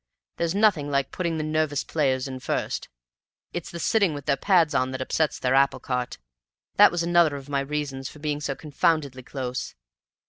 There's nothing like putting the nervous players in first; it's the sitting with their pads on that upsets their applecart; that was another of my reasons for being so confoundedly close.